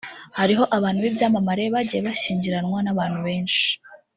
Hariho abantu b’ibyamamare bagiye bashyingiranwa n’abantu benshi